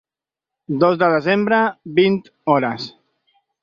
Dos de desembre, vint hores.